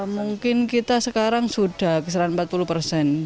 mungkin kita sekarang sudah kisaran empat puluh persen